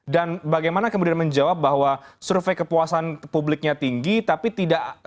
dan bagaimana kemudian menjawab bahwa survei kepuasan publiknya tinggi tapi tidak